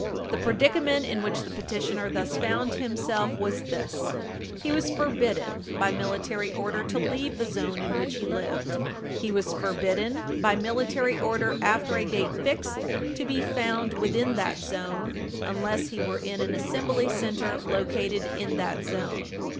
Page 323 U. S. 230 The predicament in which the petitioner thus found himself was this: he was forbidden, by Military Order, to leave the zone in which he lived; he was forbidden, by Military Order, after a date fixed, to be found within that zone unless he were in an Assembly Center located in that zone.